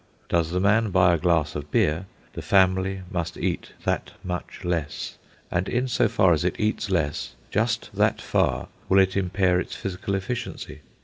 Does the man buy a glass of beer, the family must eat that much less; and in so far as it eats less, just that far will it impair its physical efficiency.